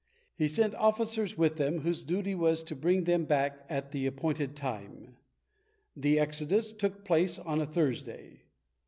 He sent officers with them, whose duty was to bring them back at the appointed time. The exodus took place on a Thursday.